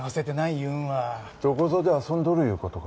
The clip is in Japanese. いうんはどこぞで遊んどるいうことか？